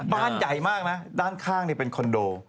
บ้านใหญ่มากนะด้านข้างเป็นคอนโด